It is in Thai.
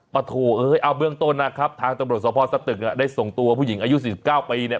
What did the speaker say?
โถเอ้ยเอาเบื้องต้นนะครับทางตำรวจสภสตึกได้ส่งตัวผู้หญิงอายุ๔๙ปีเนี่ย